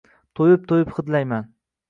to'yib-to'yib hidlayman.